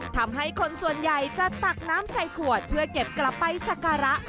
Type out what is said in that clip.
ทำให้คนส่วนใหญ่จะตักน้ำใส่ขวดเพื่อเก็บกลับไปสักการะ